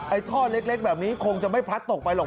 ท่อเล็กแบบนี้คงจะไม่พลัดตกไปหรอก